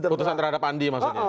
putusan terhadap andi maksudnya